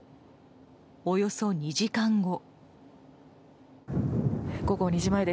およそ２時間後。